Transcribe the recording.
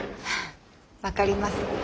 分かります。